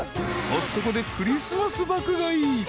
［コストコでクリスマス爆買い］